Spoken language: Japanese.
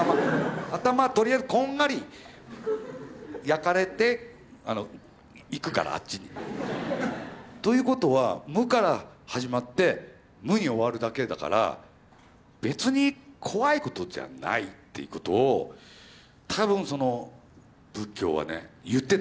頭とりあえずこんがり焼かれて逝くからあっちに。ということは無から始まって無に終わるだけだから別に怖いことじゃないっていうことを多分仏教はね言ってたんですよ。